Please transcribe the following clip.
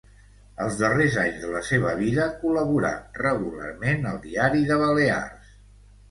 Els darrers anys de la seva vida col·laborà regularment al Diari de Balears.